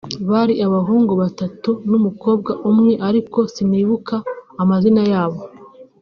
bari abahungu batatu n’umukobwa umwe ariko sinibuka amazina yabo